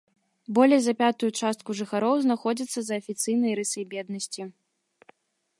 Болей за пятую частку жыхароў знаходзяцца за афіцыйнай рысай беднасці.